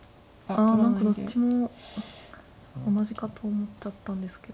あ何かどっちも同じかと思っちゃったんですけど。